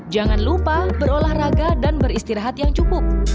jangan lupa berolah raga dan beristirahat yang cukup